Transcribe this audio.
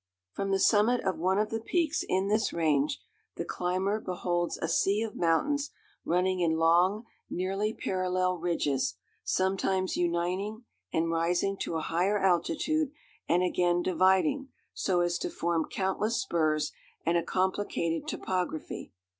From the summit of one of the peaks in this range, the climber beholds a sea of mountains running in long, nearly parallel, ridges, sometimes uniting and rising to a higher altitude, and again dividing, so as to form countless spurs and a complicated topography.